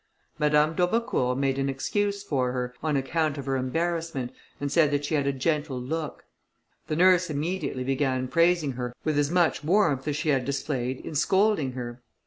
Madame d'Aubecourt made an excuse for her, on account of her embarrassment, and said that she had a gentle look. The nurse immediately began praising her with as much warmth as she had displayed in scolding her.